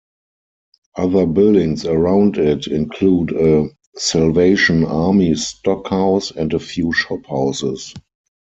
Other buildings around it include a Salvation Army stockhouse and a few shophouses.